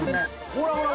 ほらほら！